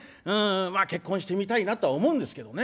まあ結婚してみたいなとは思うんですけどね